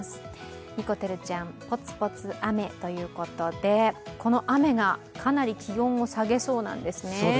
にこてるちゃん、ポツポツ雨ということでこの雨がかなり気温を下げそうなんですね。